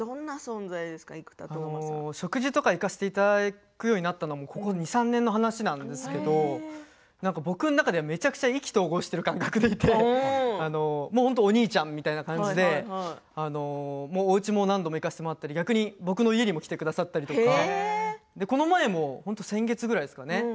食事とか行かせていただくようになったのも、ここ２、３年の話なんですけど僕の中でめちゃくちゃ意気投合している感覚でいて本当にお兄ちゃんという感じでおうちも何度も行かせてもらったり、逆に僕の家にも来てくださったりとかこの前も先月ぐらいですかね